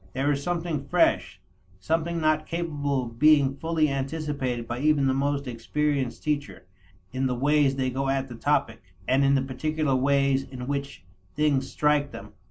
There is something fresh, something not capable of being fully anticipated by even the most experienced teacher, in the ways they go at the topic, and in the particular ways in which things strike them.